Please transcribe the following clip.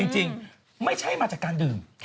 จริงไม่ใช่มาจากการดื่ม